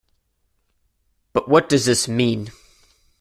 But what does this mean?